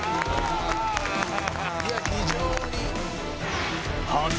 いや非常にいい。